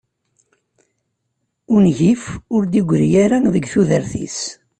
Ungif ur d-gri ara deg tudert-is.